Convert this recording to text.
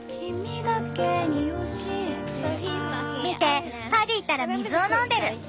見てパディったら水を飲んでる。